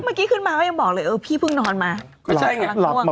เมื่อกี้ขึ้นมาเขายังบอกเลยพี่เพิ่งนอนมา